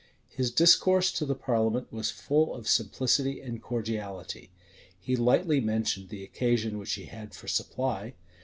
His discourse to the parliament was full of simplicity and cordiality. He lightly mentioned the occasion which he had for supply.